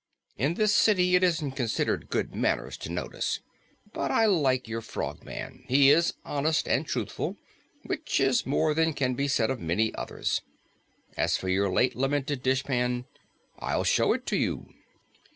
In this city it isn't considered good manners to notice. But I like your Frogman. He is honest and truthful, which is more than can be said of many others. As for your late lamented dishpan, I'll show it to you."